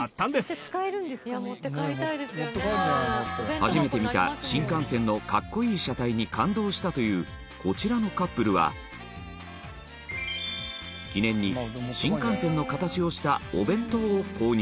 初めて見た新幹線の格好いい車体に感動したというこちらのカップルは記念に新幹線の形をしたお弁当を購入